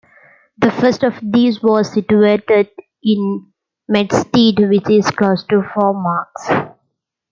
The first of these was situated in Medstead which is close to Four Marks.